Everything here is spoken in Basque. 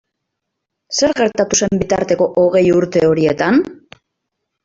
Zer gertatu zen bitarteko hogei urte horietan?